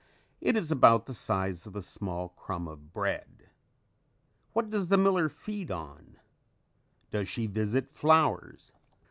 It is about the size of a small crumb of bread. What does the miller feed on? Does she visit flowers?